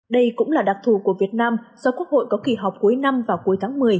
đây cũng là đặc thù của việt nam do quốc hội có kỳ họp cuối năm vào cuối tháng một mươi